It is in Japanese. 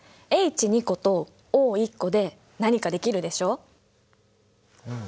Ｈ２個とＯ１個で何かできるでしょ？